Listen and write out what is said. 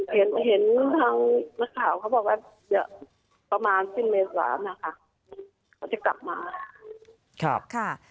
เห็นทางหน้าข่าวเขาบอกว่าจะประมาณสิ้นเมตรสามนะคะเขาจะกลับมา